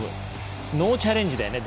ノーチャレンジだよね。